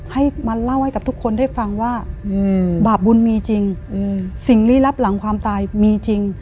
ให้มาเล่าให้กับทุกคนได้ฟังว่าบาปบุญมีจริงสิ่งลี้ลับหลังความตายมีจริง